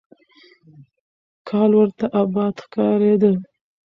کال ورته آباد ښکارېده.